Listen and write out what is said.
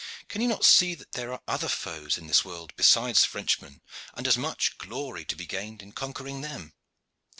Can you not see that there are other foes in this world besides Frenchmen, and as much glory to be gained in conquering them?